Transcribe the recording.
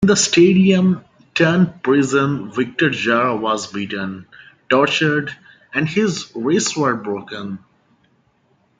In the stadium-turned-prison Victor Jara was beaten, tortured, and his wrists were broken.